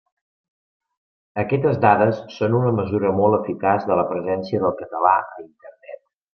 Aquestes dades són una mesura molt eficaç de la presència del català a Internet.